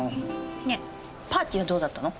ねえパーティーはどうだったの？